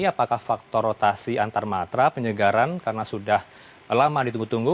apakah faktor rotasi antarmatra penyegaran karena sudah lama ditunggu tunggu